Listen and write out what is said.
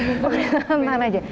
di tahan tahan saja